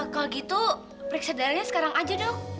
kalau gitu periksa darahnya sekarang aja dok